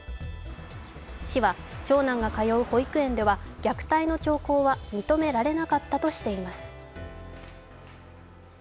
市は長男が通う保育園では虐待の兆候は認められなかったとしています。